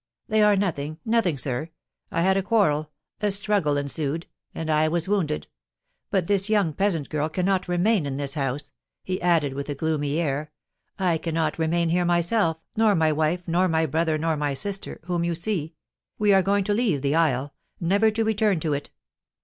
"They are nothing nothing, sir. I had a quarrel a struggle ensued, and I was wounded. But this young peasant girl cannot remain in this house," he added, with a gloomy air. "I cannot remain here myself nor my wife, nor my brother, nor my sister, whom you see. We are going to leave the isle, never to return to it."